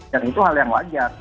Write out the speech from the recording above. dan itu hal yang wajar